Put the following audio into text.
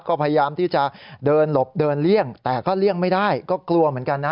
ก็พยายามที่จะเดินหลบเดินเลี่ยงแต่ก็เลี่ยงไม่ได้ก็กลัวเหมือนกันนะ